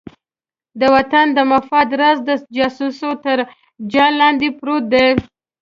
د وطن د مفاد راز د جاسوسۍ تر جال لاندې پروت دی.